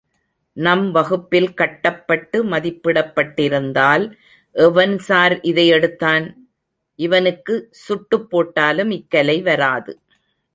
நம் வகுப்பில் காட்டப்பட்டு மதிப்பிடப்பட்டிருந்தால், எவன் சார் இதை எடுத்தான்? இவனுக்கு சுட்டுப் போட்டாலும் இக்கலை வராது.